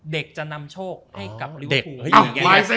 เด็กจะนำโชคให้กับลิเวอร์ฮู